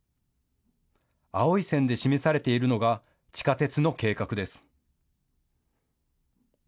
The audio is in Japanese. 青い線で示されているのが地下鉄の計画です。